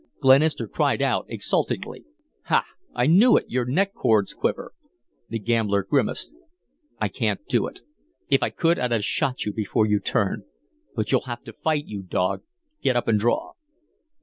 Glenister cried out, exultantly: "Ha! I knew it. Your neck cords quiver." The gambler grimaced. "I can't do it. If I could, I'd have shot you before you turned. But you'll have to fight, you dog. Get up and draw."